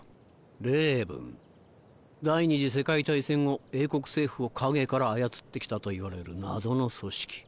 レイブン第２次世界大戦後英国政府を陰から操って来たといわれる謎の組織。